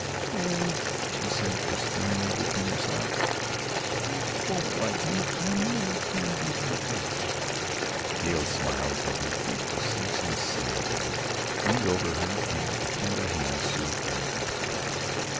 "Oh," she said despairingly, between her sobs, "she won't like me. I never can be like HER." Hale smiled, but her grief was so sincere that he leaned over her and with a tender hand soothed her into quiet.